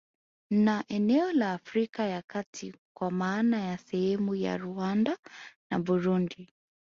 Na eneo la Afrika ya kati kwa maana ya sehemu ya Rwanda na Burundi